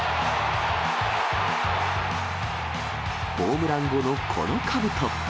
ホームラン後のこのかぶと。